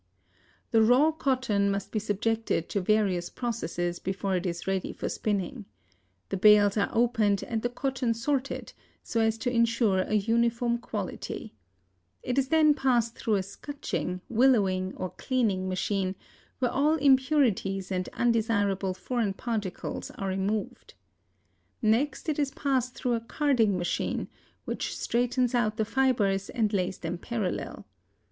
The raw cotton must be subjected to various processes before it is ready for spinning. The bales are opened and the cotton sorted, so as to insure a uniform quality. It is then passed through a scutching, willowing or cleaning machine, where all impurities and undesirable foreign particles are removed. Next it is passed through a carding machine, which straightens out the fibers and lays them parallel.